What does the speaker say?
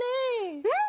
うん！